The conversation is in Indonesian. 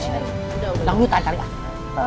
tidak dulu tangan tangan